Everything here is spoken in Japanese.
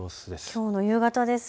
きょうの夕方です。